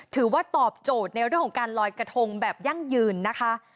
ถือว่าตอบโจทย์ในเรื่องของการลอยกระทงแบบยั่งยืนนะคะ